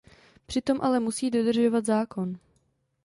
Přitom ale musí dodržovat zákon.